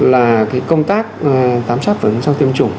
là công tác tám soát phản ứng sau tiêm chủng